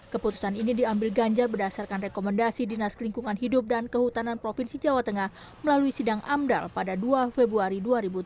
keputusan ini diambil ganjar berdasarkan rekomendasi dinas lingkungan hidup dan kehutanan provinsi jawa tengah melalui sidang amdal pada dua februari dua ribu tujuh belas